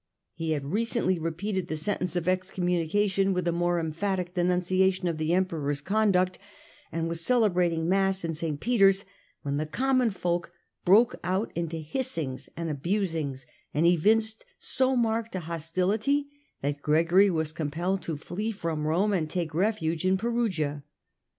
He had recently repeated the sentence of excom munication with a more emphatic denunciation of the Emperor's conduct, and was celebrating Mass in St. Peter's, when the common folk broke out into hissings and abusings, and evinced so marked a hostility that Gregory was compelled to flee from Rome and take refuge in Perugia.